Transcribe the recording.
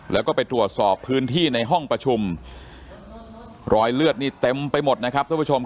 แล้วก็ไปตรวจสอบพื้นที่ในห้องประชุมรอยเลือดนี่เต็มไปหมดนะครับท่านผู้ชม